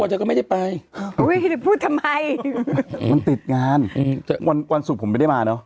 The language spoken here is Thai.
ติดอีกแล้วก็ไม่ได้ไปพูดทำไมมันติดงานวันศุกร์ผมไม่ได้มาเนอะ